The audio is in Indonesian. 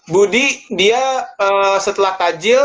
budi dia setelah tajil